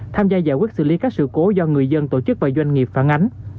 tham gia giải quyết xử lý các sự cố do người dân tổ chức và doanh nghiệp phản ánh